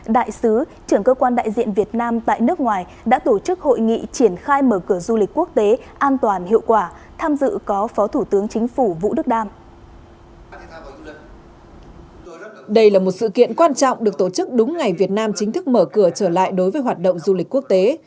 đây là một sự kiện quan trọng được tổ chức đúng ngày việt nam chính thức mở cửa trở lại đối với hoạt động du lịch quốc tế